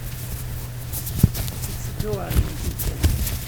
Itteddu ɣer din tikkal.